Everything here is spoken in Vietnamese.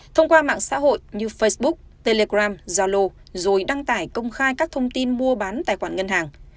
thông qua mạng xã hội như facebook telegram zalo rồi đăng tải công khai các thông tin mua bán tài khoản ngân hàng